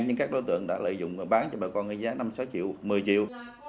nhưng các đối tượng đã lợi dụng bán cho bà con giá năm sáu triệu một mươi triệu